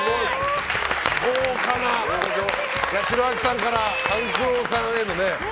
豪華な八代亜紀さんから勘九郎さんへのね。